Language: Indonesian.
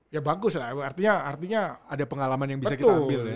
ya bagus lah artinya ada pengalaman yang bisa kita ambil ya